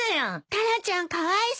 タラちゃんかわいそう。